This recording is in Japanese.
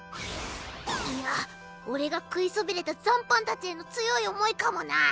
いや俺が食いそびれた残飯たちへの強い思いかもな。